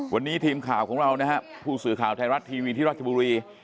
วันนี้ทีมข่าวของเรานะครับผู้สื่อข่าวไทยรัฐทีวีที่ราชบุรี